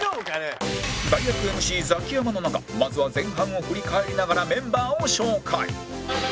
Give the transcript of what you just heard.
代役 ＭＣ ザキヤマの中まずは前半を振り返りながらメンバーを紹介